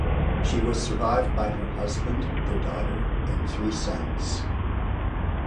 She was survived by her husband, their daughter and three sons.